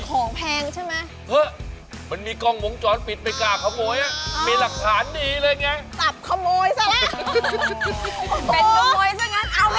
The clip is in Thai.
ของแพงใช่ไหม